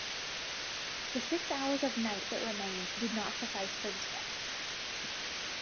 The six hours of night that remained did not suffice for the trip.